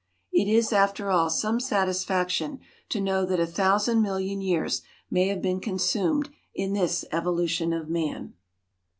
It is, after all, some satisfaction to know that a thousand million years may have been consumed in this evolution of man.